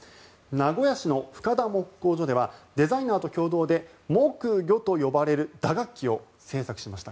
名古屋市の深田木工所ではデザイナーと共同でモクギョと呼ばれる打楽器を製作しました。